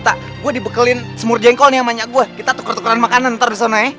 ntar gua dibekelin semur jengkol nih sama nyak gua kita tuker tukeran makanan ntar di sana ya